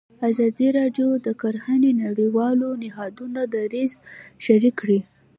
ازادي راډیو د کرهنه د نړیوالو نهادونو دریځ شریک کړی.